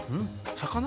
魚？